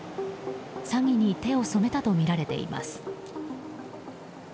詐欺に手を染めたとみられています。